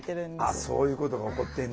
あっそういうことが起こってんねや。